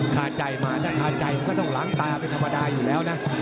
คาใจมาถ้าคาใจมันก็ต้องล้างตาเป็นธรรมดาอยู่แล้วนะ